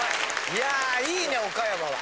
いやいいね岡山は。